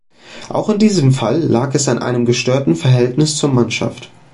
Auch in diesem Fall lag es an einem gestörten Verhältnis zur Mannschaft.